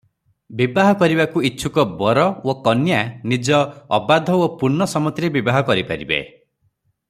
ବିବାହ କରିବାକୁ ଇଚ୍ଛୁକ ବର ଓ କନ୍ୟା ନିଜ ଅବାଧ ଓ ପୂର୍ଣ୍ଣ ସମ୍ମତିରେ ବିବାହ କରିପାରିବେ ।